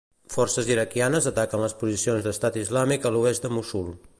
Forces iraquianes ataquen les posicions d'Estat Islàmic a l'oest de Mossul.